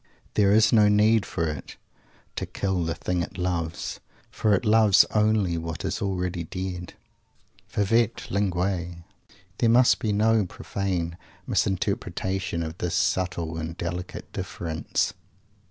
There is no need for it "to kill the thing it loves," for it loves only what is already dead. Favete linguis! There must be no profane misinterpretation of this subtle and delicate difference.